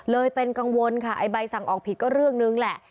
เป็นกังวลค่ะไอ้ใบสั่งออกผิดก็เรื่องนึงแหละ